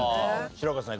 白河さん